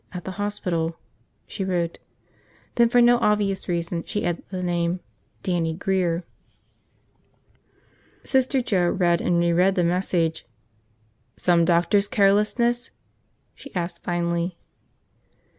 At the hospital," she wrote. Then for no obvious reason, she added the name, "Dannie Grear." Sister Joe read and reread the message. "Some doctor's carelessness?" she asked finally.